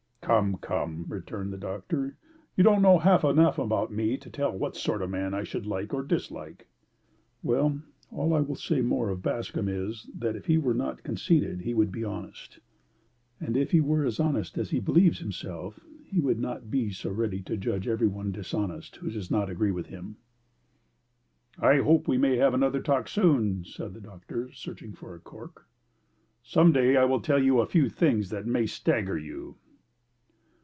"Come, come!" returned the doctor, "you don't know half enough about me to tell what sort of man I should like or dislike." "Well, all I will say more of Bascombe is, that if he were not conceited he would be honest; and if he were as honest as he believes himself, he would not be so ready to judge every one dishonest who does not agree with him." "I hope we may have another talk soon," said the doctor, searching for a cork. "Some day I will tell you a few things that may stagger you."